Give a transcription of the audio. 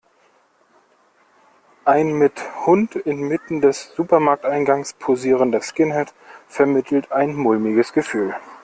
Ein mit Hund in Mitten des Supermarkteingangs posierender Skinhead vermittelt ein mulmiges Gefühl.